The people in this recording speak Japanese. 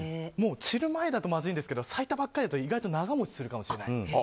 散る前だとまずいんですが咲いたばかりだと意外と長持ちするかもしれない。